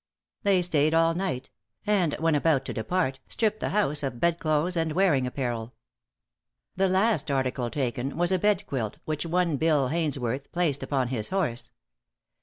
They stayed all night; and when about to depart, stripped the house of bed clothes and wearing apparel. The last article taken was a bed quilt, which one Bill Haynesworth placed upon his horse.